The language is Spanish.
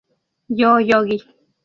Yo Yogui!